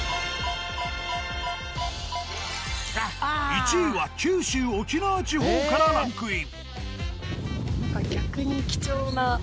１位は九州沖縄地方からランクイン。